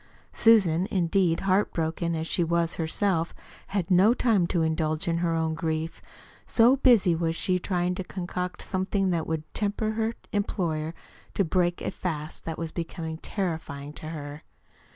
Susan, indeed, heart broken as she was herself, had no time to indulge her own grief, so busy was she trying to concoct something that would tempt her employer to break a fast that was becoming terrifying to her.